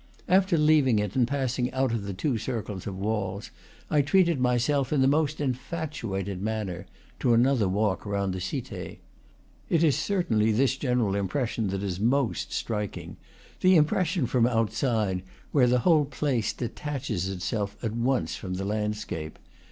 After leaving it and passing out of the two circles of walls, I treated myself, in the most infatuated manner, to another walk round the Cite. It is certainly this general impression that is most striking, the impression from outside, where the whole place detaches itself at once from the landscape.